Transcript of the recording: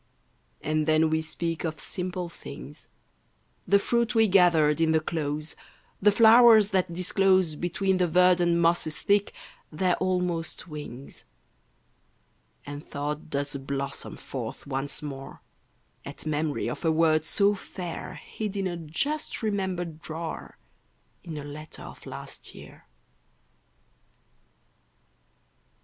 And then we speak of simple things; The fruit we gathered in the close, The flowers that disclose, Between the verdant mosses thick, Their almost wings; And thought does blossom forth once more At memory of a word so fair Hid in a just remembered drawer, In a letter of last year.